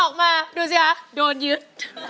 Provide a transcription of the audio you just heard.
ออกมาดูสิคะโดนยึด